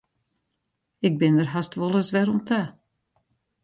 Ik bin der hast wolris wer oan ta.